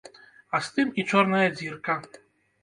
А з тым і чорная дзірка.